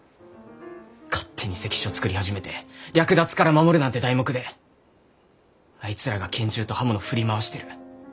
勝手に関所作り始めて「略奪から守る」なんて題目であいつらが拳銃と刃物振り回してる。